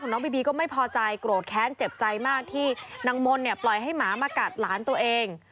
น้องบีบีก็ไม่พอใจโกรธแค้นเจ็บใจมากที่นางมนต์เนี่ยปล่อยให้หมามากัดหลานตัวเอง